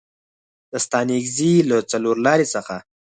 د ستانکزي له څلورلارې څخه